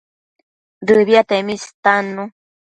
Dëbiatemi istannu